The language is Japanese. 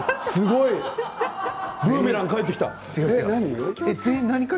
ブーメラン帰ってきた。